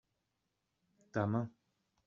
ta main.